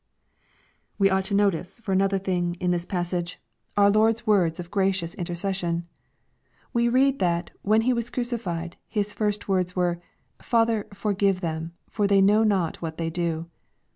We ought to notice, for another thing, in this passage, LUKE^ CHAP. XXIII. 463 our Lord' 8 words of gracious intercession. We read that when He was crucified, His first words were, " Father, forgive them, for they know not what they do.''